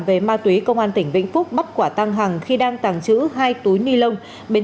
về ma túy công an tỉnh vĩnh phúc bắt quả tăng hằng khi đang tàng trữ hai túi ni lông